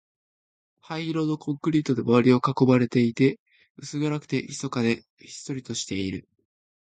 灰色のコンクリートで周りを囲まれていて、薄暗くて、静かで、ひっそりとしている